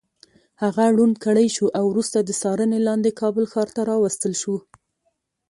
هغه ړوند کړی شو او وروسته د څارنې لاندې کابل ښار ته راوستل شو.